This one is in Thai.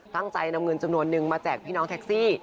ตั้งใจนำเงินจำนวนนึงมาแจกพี่น้องแท็กซี่